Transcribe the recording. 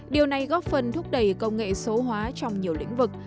điều này góp phần thúc đẩy công nghệ số hóa trong nhiều lĩnh vực